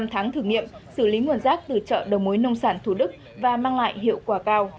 năm tháng thử nghiệm xử lý nguồn rác từ chợ đầu mối nông sản thủ đức và mang lại hiệu quả cao